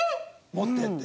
「持って」って？